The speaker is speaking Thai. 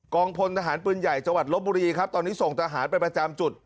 พลทหารปืนใหญ่จังหวัดลบบุรีครับตอนนี้ส่งทหารไปประจำจุด